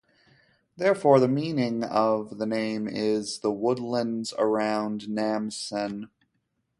Therefore, the meaning of the name is "the woodlands around Namsen".